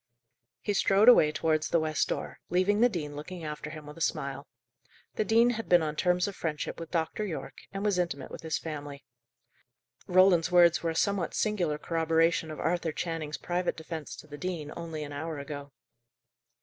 He strode away towards the west door, leaving the dean looking after him with a smile. The dean had been on terms of friendship with Dr. Yorke, and was intimate with his family. Roland's words were a somewhat singular corroboration of Arthur Channing's private defence to the dean only an hour ago.